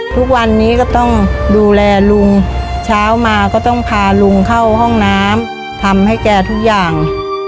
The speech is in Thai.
ทุกวันนี้ก็ต้องดูแลลุงเช้ามาก็ต้องพาลุงเข้าห้องน้ำทำให้แกทุกอย่าง